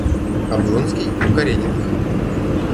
Облонский у Карениных.